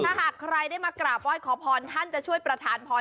ถ้าหากใครได้มากราบไหว้ขอพรท่านจะช่วยประธานพร